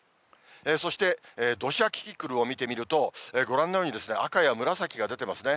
そして土砂キキクルを見てみると、ご覧のように、赤や紫が出てますね。